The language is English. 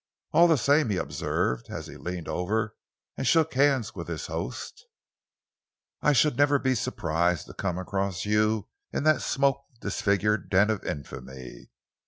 "All the same," he observed, as he leaned over and shook hands with his host, "I should never be surprised to come across you in that smoke disfigured den of infamy!